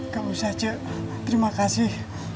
gak usah cik terima kasih